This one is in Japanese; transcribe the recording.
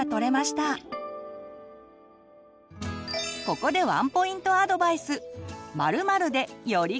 ここでワンポイントアドバイス！